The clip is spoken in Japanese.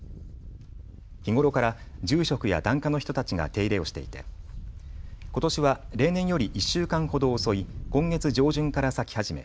日頃から住職や檀家の人たちが手入れをしていてことしは例年より１週間ほど遅い今月上旬から咲き始め